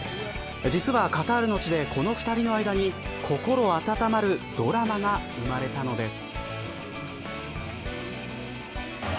実はカタールの地でこの２人の間に心温まるドラマが生まれたのです。